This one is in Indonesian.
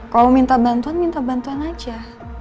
kalau minta bantuan minta bantuan aja